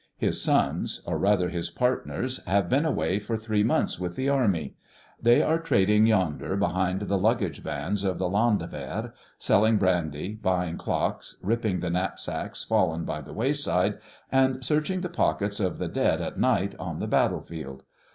His sons, or rather his partners, have been away for three months with the army. They are trading yonder behind the luggage vans of the landwehr, selling brandy, buying clocks, ripping the knapsacks fallen by the wayside, and searching the pockets of the dead at night on the battle field.